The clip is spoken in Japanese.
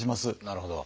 なるほど。